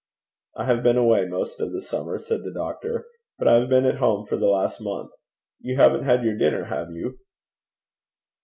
'I have been away most of the summer,' said the doctor; 'but I have been at home for the last month. You haven't had your dinner, have you?'